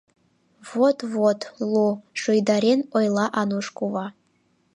— Вот-вот, лу, — шуйдарен ойла Ануш кува.